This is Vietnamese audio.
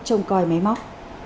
trông coi máy móc